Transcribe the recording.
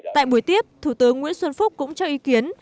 tại buổi tiếp thủ tướng nguyễn xuân phúc cũng cho ý kiến